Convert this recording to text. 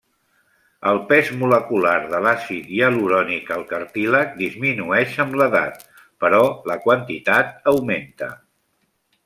El pes molecular de l'àcid hialurònic al cartílag disminueix amb l'edat, però la quantitat augmenta.